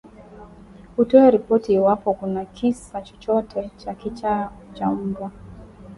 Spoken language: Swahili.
utoe ripoti iwapo kuna kisa chochote cha kichaa cha mbwa